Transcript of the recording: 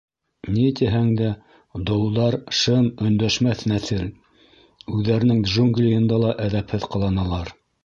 Ни тиһәң дә, долдар — шым, өндәшмәҫ нәҫел, үҙҙәренең джунглийында ла әҙәпһеҙ ҡыланалар.